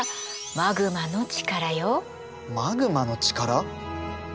マグマの力？